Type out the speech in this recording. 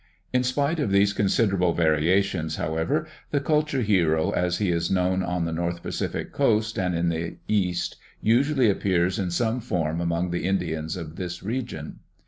In spite of these consider able variations, however, the culture hero as he is known on the North Pacific coast and in the east usually appears in some form among the Indians of this region.